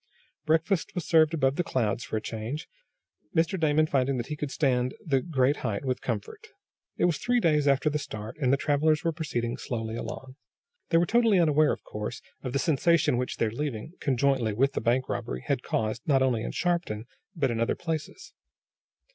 Breakfast was served above the clouds, for a change, Mr. Damon finding that he could stand the great height with comfort. It was three days after the start, and the travelers were proceeding slowly along. They were totally unaware, of course, of the sensation which their leaving, conjointly with the bank robbery, had caused, not only in Shopton but in other places.